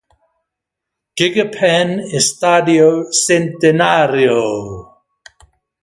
Gigapan Estadio Centenario.